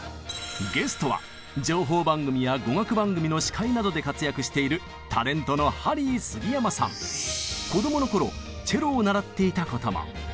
ゲストは情報番組や語学番組の司会などで活躍しているタレントの子どもの頃チェロを習っていたことも！